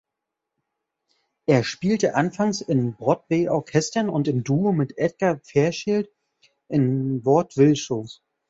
Er spielte anfangs in Broadway-Orchestern und im Duo mit Edgar Fairchild in Vaudeville-Shows.